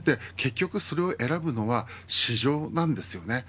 結局それを選ぶのは市場なんです。